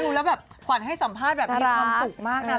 แล้วแบบขวัญให้สัมภาษณ์แบบมีความสุขมากนะ